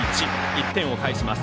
１点を返します。